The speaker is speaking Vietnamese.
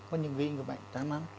có những người bệnh đáng lắm